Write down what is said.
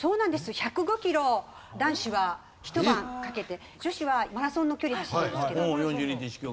１０５キロ男子はひと晩かけて女子はマラソンの距離走るんですけど。４２．１９５